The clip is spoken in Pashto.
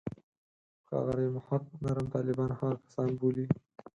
ښاغلی محق نرم طالبان هغه کسان بولي.